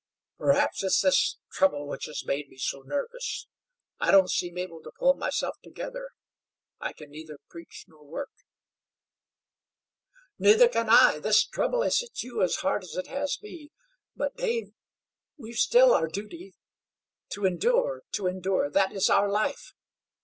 Perhaps it's this trouble which has made me so nervous. I don't seem able to pull myself together. I can neither preach nor work." "Neither can I! This trouble has hit you as hard as it has me. But, Dave, we've still our duty. To endure, to endure that is our life.